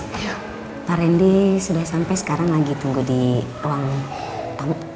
pak randy sudah sampai sekarang lagi tunggu di ruang tamu